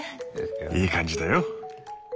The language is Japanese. いい感じだよ。